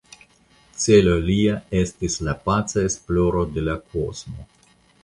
Celo lia estis la paca esploro de la kosmo.